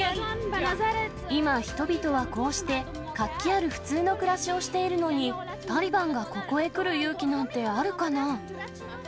その中の一人、今、人々はこうして、活気ある普通の暮らしをしているのに、タリバンがここへ来る勇気なんてあるかな。